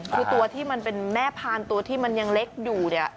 คือตัวที่มันเป็นแม่พานตัวที่มันยังเล็กอยู่เนี่ย